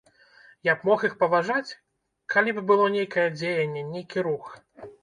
Я б мог іх паважаць, калі б было нейкае дзеянне, нейкі рух.